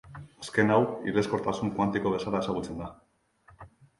Azken hau, hilezkortasun kuantiko bezala ezagutzen da.